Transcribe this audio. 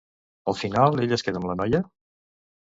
Al final ell es queda amb la noia?